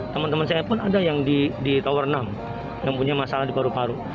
teman teman saya pun ada yang di tower enam yang punya masalah di paru paru